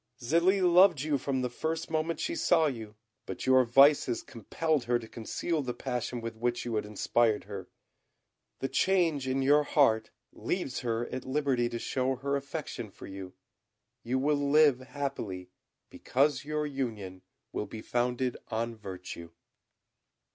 "Zélie loved you from the first moment she saw you; but your vices compelled her to conceal the passion with which you had inspired her. The change in your heart leaves her at liberty to show her affection for you. You will live happily, because your union will be founded on virtue."